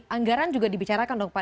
anggaran juga dibicarakan dong pak